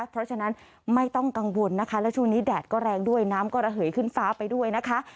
เพราะฉะนั้นไม่ต้องกังวลนะคะแล้วช่วงนี้แดดก็แรงด้วยน้ำก็ระเหยขึ้นฟ้าไปด้วยนะคะ